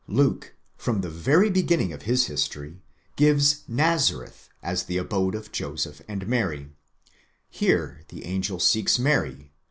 Luke, from the very beginning of his history, gives Nazareth as the abode of Joseph and Mary ; here the angel seeks Mary (i.